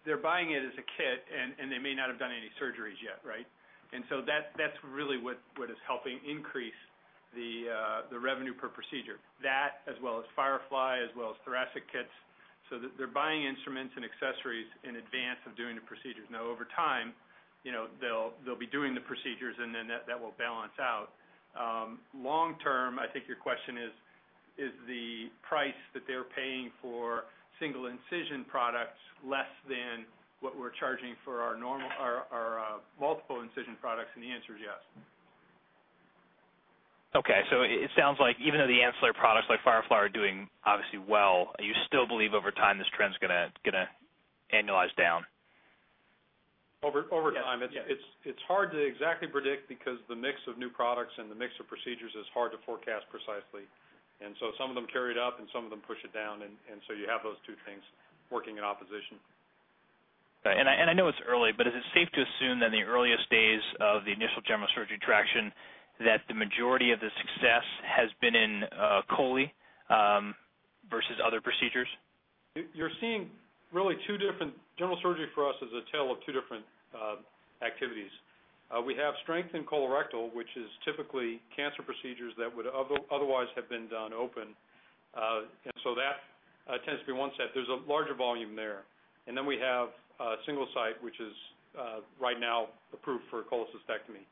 they're buying it as a kit, and they may not have done any surgeries yet, right? That's really what is helping increase the revenue per procedure, that as well as Firefly, as well as thoracic kits. They're buying instruments and accessories in advance of doing the procedures. Over time, you know they'll be doing the procedures, and that will balance out. Long term, I think your question is, is the price that they're paying for single-site products less than what we're charging for our multiple-incision products? The answer is yes. OK, it sounds like even though the ancillary products like Firefly are doing obviously well, you still believe over time this trend is going to annualize down. Over time, it's hard to exactly predict because the mix of new products and the mix of procedures is hard to forecast precisely. Some of them carry it up, and some of them push it down. You have those two things working in opposition. Is it safe to assume that in the earliest days of the initial general surgery traction, the majority of the success has been in cholecystectomy versus other procedures? You're seeing really two different general surgery for us is a tale of two different activities. We have strength in colorectal, which is typically cancer procedures that would otherwise have been done open. That tends to be one set. There's a larger volume there, and then we have single-site, which is right now approved for cholecystectomy.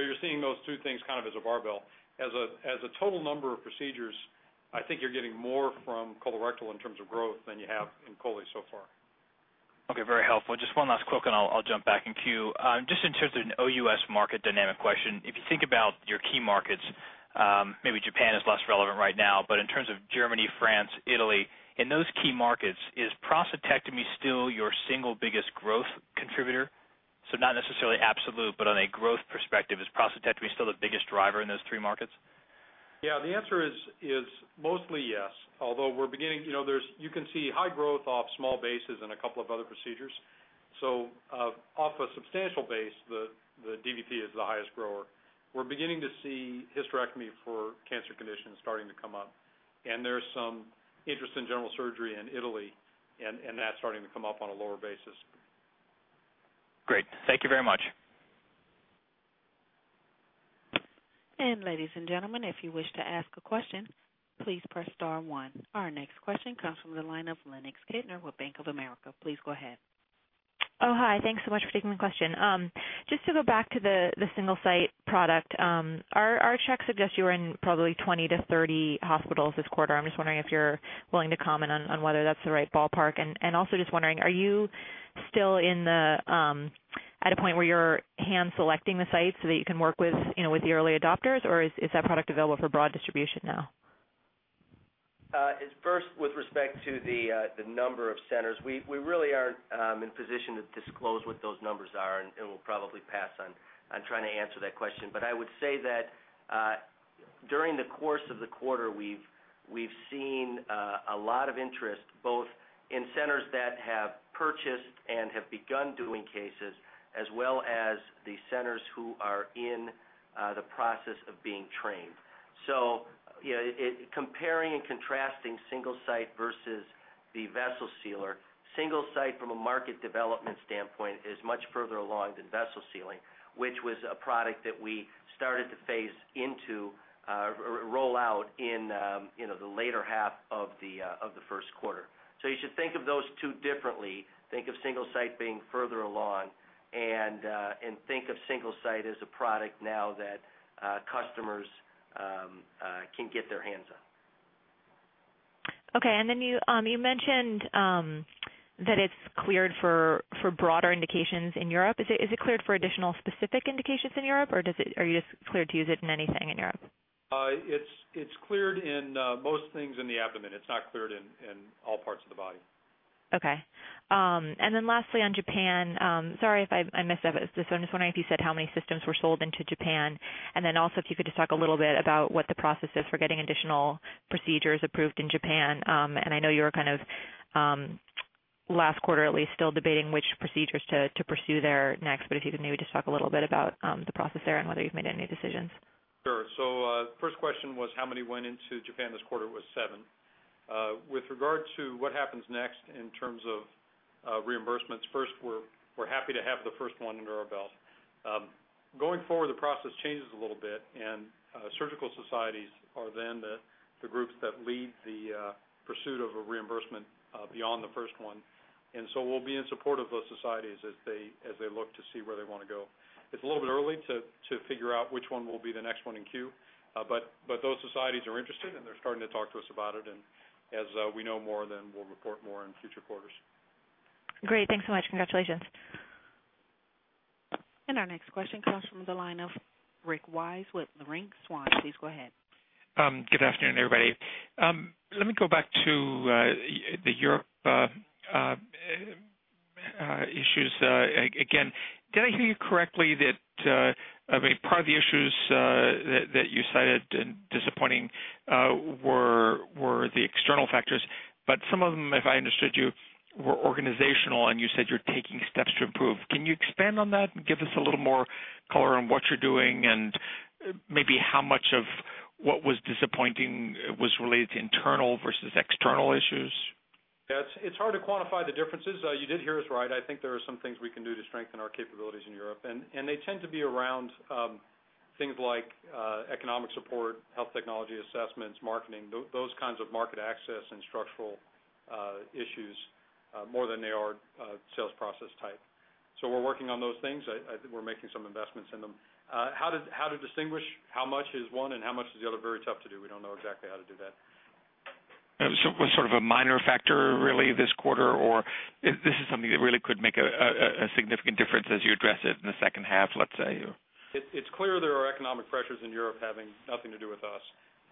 You're seeing those two things kind of as a barbell. As a total number of procedures, I think you're getting more from colorectal in terms of growth than you have in cholecystectomy so far. OK, very helpful. Just one last quick, and I'll jump back in queue. Just in terms of an OUS market dynamic question, if you think about your key markets, maybe Japan is less relevant right now, but in terms of Germany, France, Italy, in those key markets, is prostatectomy still your single biggest growth contributor? Not necessarily absolute, but on a growth perspective, is prostatectomy still the biggest driver in those three markets? Yeah, the answer is mostly yes, although you can see high growth off small bases in a couple of other procedures. Off a substantial base, the DVP is the highest grower. We're beginning to see hysterectomy for cancer conditions starting to come up. There's some interest in general surgery in Italy, and that's starting to come up on a lower basis. Great. Thank you very much. Ladies and gentlemen, if you wish to ask a question, please press star one. Our next question comes from the line of Lennox Kidner with Bank of America. Please go ahead. Hi, thanks so much for taking the question. Just to go back to the single-site product, our checks suggest you were in probably 20 to 30 hospitals this quarter. I'm just wondering if you're willing to comment on whether that's the right ballpark. Also, just wondering, are you still at a point where you're hand-selecting the sites so that you can work with the early adopters, or is that product available for broad distribution now? It's first with respect to the number of centers. We really aren't in a position to disclose what those numbers are, and we'll probably pass on trying to answer that question. I would say that during the course of the quarter, we've seen a lot of interest both in centers that have purchased and have begun doing cases, as well as the centers who are in the process of being trained. Comparing and contrasting single-site versus the vessel sealer, single-site from a market development standpoint is much further along than vessel sealing, which was a product that we started to phase into rollout in the later half of the first quarter. You should think of those two differently. Think of single-site being further along, and think of single-site as a product now that customers can get their hands on. OK, you mentioned that it's cleared for broader indications in Europe. Is it cleared for additional specific indications in Europe, or are you just cleared to use it in anything in Europe? It's cleared in most things in the abdomen, but it's not cleared in all parts of the body. OK. Lastly, on Japan, sorry if I missed that, but I'm just wondering if you said how many systems were sold into Japan, and if you could just talk a little bit about what the process is for getting additional procedures approved in Japan. I know you were kind of last quarter, at least, still debating which procedures to pursue there next. If you could maybe just talk a little bit about the process there and whether you've made any decisions. Sure. The first question was how many went into Japan this quarter. It was seven. With regard to what happens next in terms of reimbursements, first, we're happy to have the first one under our belt. Going forward, the process changes a little bit, and surgical societies are then the groups that lead the pursuit of a reimbursement beyond the first one. We'll be in support of those societies as they look to see where they want to go. It's a little bit early to figure out which one will be the next one in queue, but those societies are interested, and they're starting to talk to us about it. As we know more, we'll report more in future quarters. Great. Thanks so much. Congratulations. Our next question comes from the line of Rick Wise with Leerink Swann. Please go ahead. Good afternoon, everybody. Let me go back to the Europe issues again. Did I hear you correctly that part of the issues that you cited and disappointing were the external factors, but some of them, if I understood you, were organizational, and you said you're taking steps to improve. Can you expand on that and give us a little more color on what you're doing and maybe how much of what was disappointing was related to internal versus external issues? Yeah, it's hard to quantify the differences. You did hear us right. I think there are some things we can do to strengthen our capabilities in Europe, and they tend to be around things like economic support, health technology assessments, marketing, those kinds of market access and structural issues more than they are sales process type. We're working on those things. We're making some investments in them. How to distinguish how much is one and how much is the other is very tough to do. We don't know exactly how to do that. Was it sort of a minor factor, really, this quarter, or is this something that really could make a significant difference as you address it in the second half, let's say? It's clear there are economic pressures in Europe having nothing to do with us.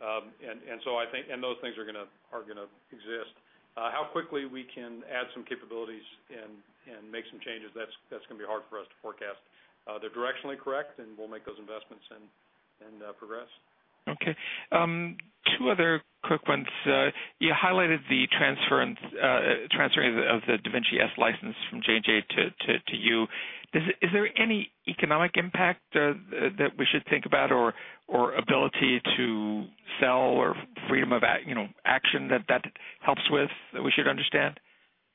I think those things are going to exist. How quickly we can add some capabilities and make some changes, that's going to be hard for us to forecast. They're directionally correct, and we'll make those investments and progress. OK. Two other quick ones. You highlighted the transferring of the Da Vinci-S license from J&J to you. Is there any economic impact that we should think about or ability to sell or freedom of action that that helps with that we should understand?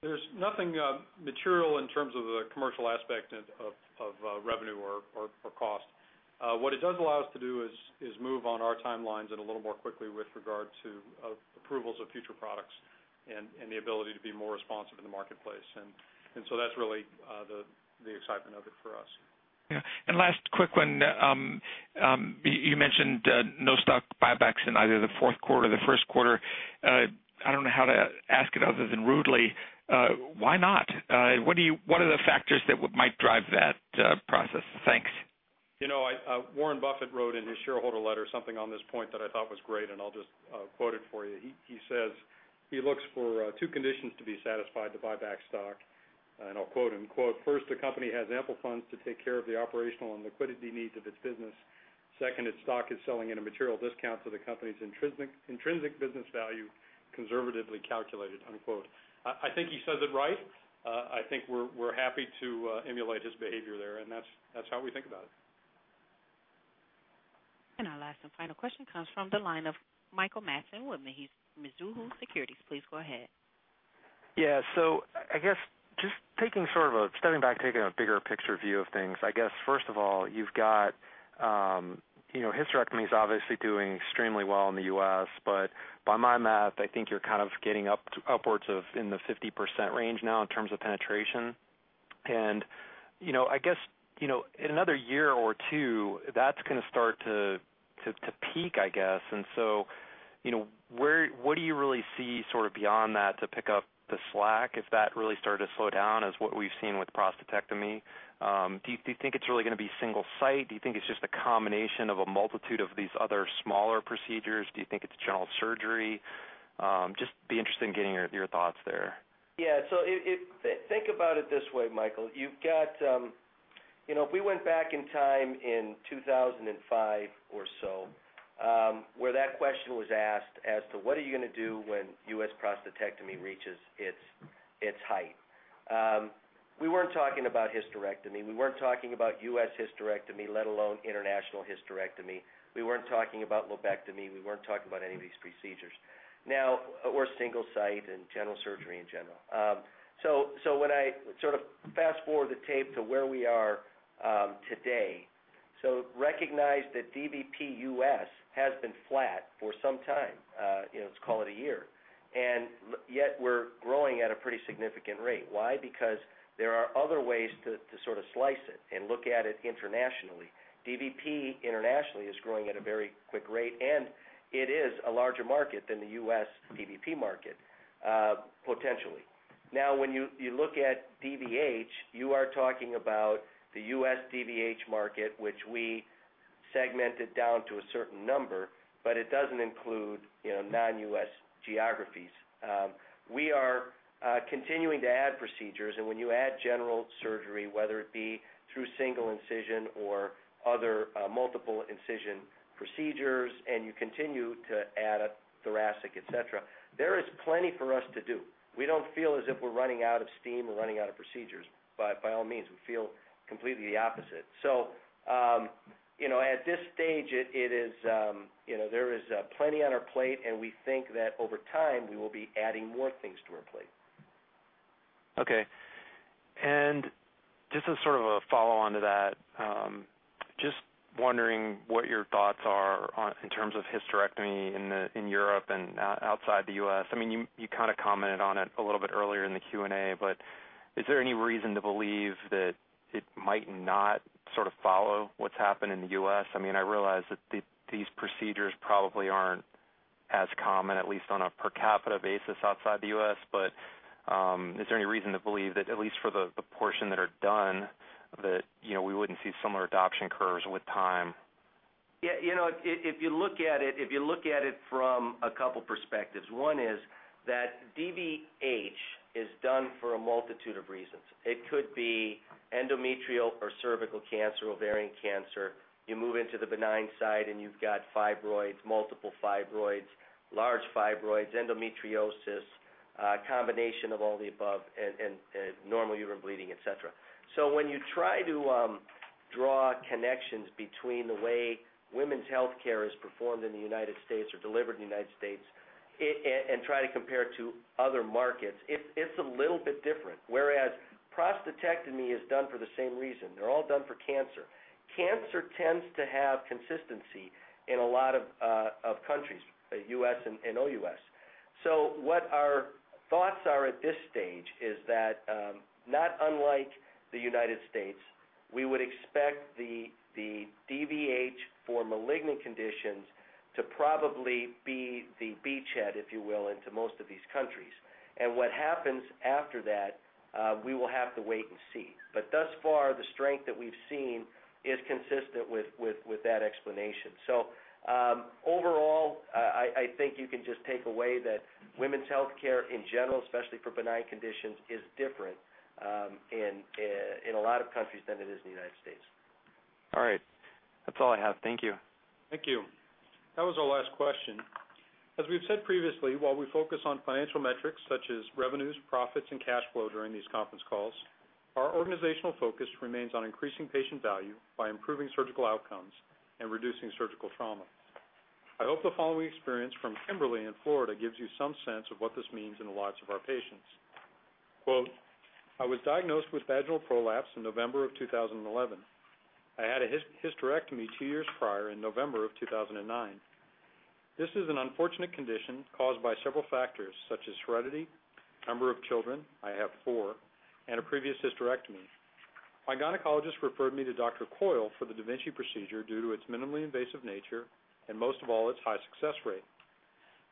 There's nothing material in terms of the commercial aspect of revenue or cost. What it does allow us to do is move on our timelines a little more quickly with regard to approvals of future products and the ability to be more responsive in the marketplace. That's really the excitement of it for us. You mentioned no stock buybacks in either the fourth quarter or the first quarter. I don't know how to ask it other than rudely. Why not? What are the factors that might drive that process? Thanks. Warren Buffett wrote in his shareholder letter something on this point that I thought was great, and I'll just quote it for you. He says he looks for two conditions to be satisfied to buy back stock. "First, the company has ample funds to take care of the operational and liquidity needs of its business. Second, its stock is selling at a material discount to the company's intrinsic business value, conservatively calculated." I think he says it right. I think we're happy to emulate his behavior there, and that's how we think about it. Our last and final question comes from the line of Michael Mattson with Mizuho Securities. Please go ahead. Yeah, I guess just taking a step back, taking a bigger picture view of things, first of all, you've got hysterectomies obviously doing extremely well in the U.S. By my math, I think you're kind of getting upwards of in the 50% range now in terms of penetration. I guess in another year or two, that's going to start to peak. What do you really see beyond that to pick up the slack if that really started to slow down, as we've seen with prostatectomy? Do you think it's really going to be single-site? Do you think it's just a combination of a multitude of these other smaller procedures? Do you think it's general surgery? I'd be interested in getting your thoughts there. Yeah, so think about it this way, Michael. If we went back in time in 2005 or so, where that question was asked as to what are you going to do when U.S. prostatectomy reaches its height, we weren't talking about hysterectomy. We weren't talking about U.S. hysterectomy, let alone international hysterectomy. We weren't talking about lobectomy. We weren't talking about any of these procedures, or single-site and general surgery in general. When I sort of fast-forward the tape to where we are today, recognize that DVP U.S. has been flat for some time, let's call it a year, and yet we're growing at a pretty significant rate. Why? Because there are other ways to sort of slice it and look at it internationally. DVP internationally is growing at a very quick rate, and it is a larger market than the U.S. DVP market, potentially. When you look at DVH, you are talking about the U.S. DVH market, which we segmented down to a certain number, but it doesn't include non-U.S. geographies. We are continuing to add procedures, and when you add general surgery, whether it be through single incision or other multiple incision procedures, and you continue to add thoracic, etc., there is plenty for us to do. We don't feel as if we're running out of steam or running out of procedures. By all means, we feel completely the opposite. At this stage, there is plenty on our plate, and we think that over time we will be adding more things to our plate. OK. Just as sort of a follow-on to that, just wondering what your thoughts are in terms of hysterectomy in Europe and outside the U.S. You kind of commented on it a little bit earlier in the Q&A, but is there any reason to believe that it might not sort of follow what's happened in the U.S.? I realize that these procedures probably aren't as common, at least on a per capita basis outside the U.S. Is there any reason to believe that, at least for the portion that are done, we wouldn't see similar adoption curves with time? Yeah, you know, if you look at it from a couple of perspectives, one is that DVH is done for a multitude of reasons. It could be endometrial or cervical cancer, ovarian cancer. You move into the benign side, and you've got fibroids, multiple fibroids, large fibroids, endometriosis, a combination of all the above, and normal uterine bleeding, etc. When you try to draw connections between the way women's health care is performed in the United States or delivered in the United States and try to compare it to other markets, it's a little bit different. Whereas prostatectomy is done for the same reason. They're all done for cancer. Cancer tends to have consistency in a lot of countries, U.S. and OUS. What our thoughts are at this stage is that, not unlike the United States, we would expect the DVH for malignant conditions to probably be the beachhead, if you will, into most of these countries. What happens after that, we will have to wait and see. Thus far, the strength that we've seen is consistent with that explanation. Overall, I think you can just take away that women's health care in general, especially for benign conditions, is different in a lot of countries than it is in the United States. All right. That's all I have. Thank you. Thank you. That was our last question. As we've said previously, while we focus on financial metrics such as revenues, profits, and cash flow during these conference calls, our organizational focus remains on increasing patient value by improving surgical outcomes and reducing surgical trauma. I hope the following experience from Kimberly in Florida gives you some sense of what this means in the lives of our patients. Quote, "I was diagnosed with vaginal prolapse in November of 2011. I had a hysterectomy two years prior in November of 2009. This is an unfortunate condition caused by several factors such as heredity, number of children—I have four—and a previous hysterectomy. My gynecologist referred me to Dr. Coyle for the da Vinci procedure due to its minimally invasive nature and, most of all, its high success rate.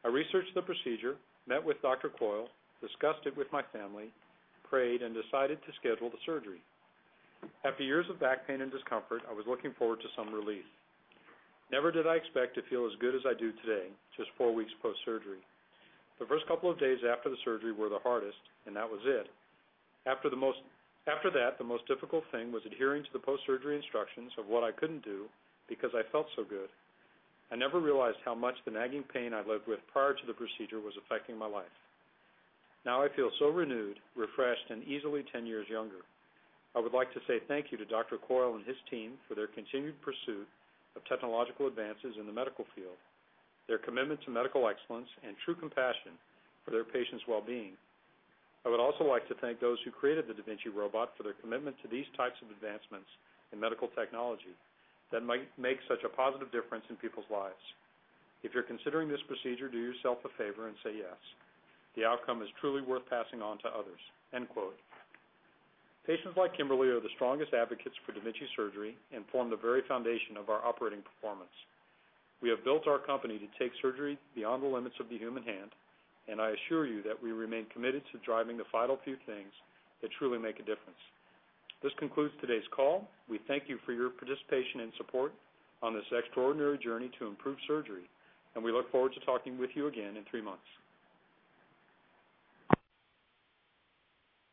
I researched the procedure, met with Dr. Coyle, discussed it with my family, prayed, and decided to schedule the surgery. After years of back pain and discomfort, I was looking forward to some relief. Never did I expect to feel as good as I do today, just four weeks post-surgery. The first couple of days after the surgery were the hardest, and that was it. After that, the most difficult thing was adhering to the post-surgery instructions of what I couldn't do because I felt so good. I never realized how much the nagging pain I lived with prior to the procedure was affecting my life. Now I feel so renewed, refreshed, and easily 10 years younger. I would like to say thank you to Dr. Coyle and his team for their continued pursuit of technological advances in the medical field, their commitment to medical excellence, and true compassion for their patients' well-being. I would also like to thank those who created the Da Vinci robot for their commitment to these types of advancements in medical technology that make such a positive difference in people's lives. If you're considering this procedure, do yourself a favor and say yes. The outcome is truly worth passing on to others. End quote. Patients like Kimberly are the strongest advocates for da Vinci surgery and form the very foundation of our operating performance. We have built our company to take surgery beyond the limits of the human hand, and I assure you that we remain committed to driving the final few things that truly make a difference. This concludes today's call. We thank you for your participation and support on this extraordinary journey to improve surgery, and we look forward to talking with you again in three months.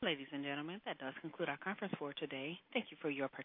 Ladies and gentlemen, that does conclude our conference for today. Thank you for your participation.